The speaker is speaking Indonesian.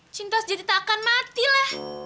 cinta jadi tak akan mati lah